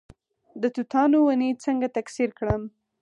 د توتانو ونې څنګه تکثیر کړم؟